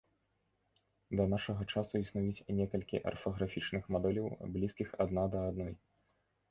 Да нашага часу існуюць некалькі арфаграфічных мадэляў, блізкіх адна да адной.